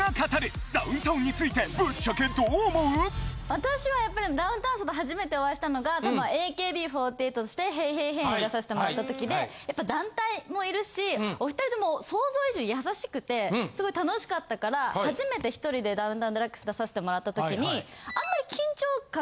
私はやっぱりダウンタウンさんと初めてお会いしたのが多分ＡＫＢ４８として『ＨＥＹ！ＨＥＹ！ＨＥＹ！』に出させてもらった時でやっぱ団体もいるしお２人とも想像以上に優しくてすごい楽しかったから初めて１人で『ダウンタウンＤＸ』出させてもらったときに。